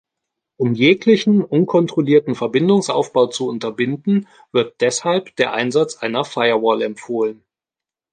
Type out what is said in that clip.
Um jeglichen unkontrollierten Verbindungsaufbau zu unterbinden, wird deshalb der Einsatz einer Firewall empfohlen.